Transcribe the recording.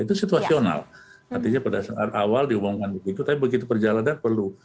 itu situasional artinya pada saat awal diumumkan begitu tapi begitu perjalanan perlu